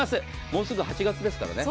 もうすぐ８月ですからね。